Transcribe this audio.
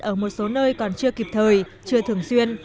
ở một số nơi còn chưa kịp thời chưa thường xuyên